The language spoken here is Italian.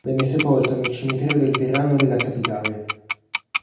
Venne sepolto nel Cimitero del Verano della capitale..